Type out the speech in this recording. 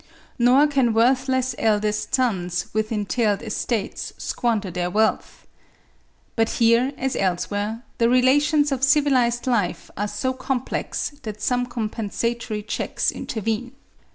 Nor can worthless eldest sons with entailed estates squander their wealth. But here, as elsewhere, the relations of civilised life are so complex that some compensatory checks intervene.